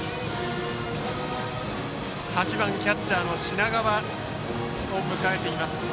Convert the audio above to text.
８番キャッチャーの品川を迎えています。